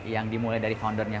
yang dimulai dari foundernya